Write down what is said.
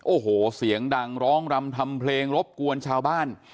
โอ้โหเสียงดังร้องรำทำเพลงรบกวนชาวบ้าน